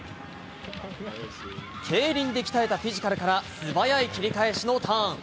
競輪で鍛えたフィジカルから素早い切り返しのターン。